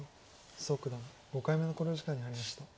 蘇九段５回目の考慮時間に入りました。